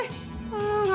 eh sini sandal gue